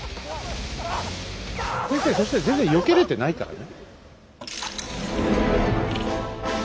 先生そして全然よけれてないからね。